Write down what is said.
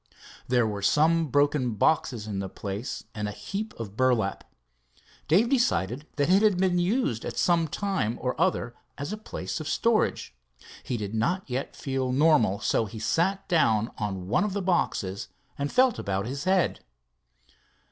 There were some broken boxes in the place and a heap of burlap. Dave decided that it had been used at some time or other as a place of storage. He did not yet feel normal, so he sat down on one of the boxes and felt about his head.